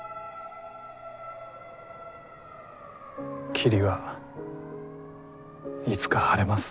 霧はいつか晴れます。